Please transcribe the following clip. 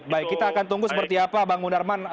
baik kita akan tunggu seperti apa bangunan